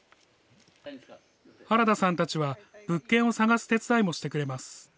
原田さんたちは物件を探す手伝いもしてくれます。